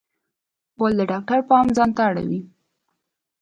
غول د ډاکټر پام ځانته اړوي.